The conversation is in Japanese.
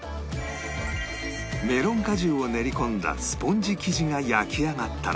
メロン果汁を練り込んだスポンジ生地が焼き上がったら